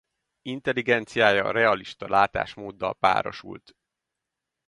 Intelligenciája realista látásmóddal párosult.